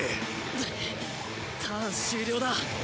クッターン終了だ。